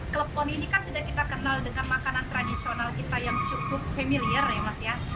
klepon ini kan sudah kita kenal dengan makanan tradisional kita yang cukup familiar ya mas ya